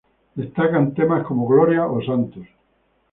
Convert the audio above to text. Destacan temas como Gloria o Sanctus.